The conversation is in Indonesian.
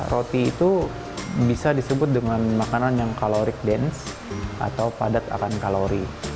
roti itu bisa disebut dengan makanan yang kaloric dance atau padat akan kalori